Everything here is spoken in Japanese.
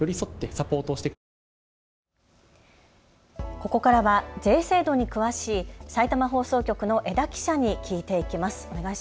ここからは税制度に詳しいさいたま放送局の江田記者に聞いていきます。